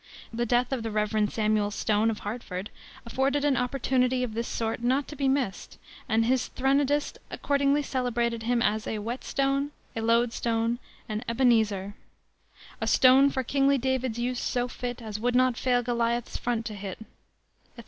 The death of the Rev. Samuel Stone, of Hartford, afforded an opportunity of this sort not to be missed, and his threnodist accordingly celebrated him as a "whetstone," a "loadstone," an "Ebenezer" "A stone for kingly David's use so fit As would not fail Goliah's front to hit," etc.